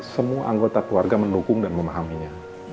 semua anggota keluarga mendukung dan memahaminya